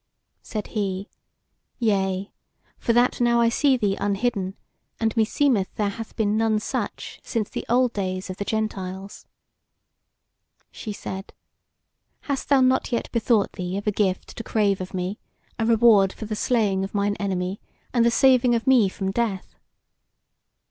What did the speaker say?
Said he: "Yea, for that now I see thee unhidden, and meseemeth there hath been none such since the old days of the Gentiles." She said: "Hast thou not yet bethought thee of a gift to crave of me, a reward for the slaying of mine enemy, and the saving of me from death?"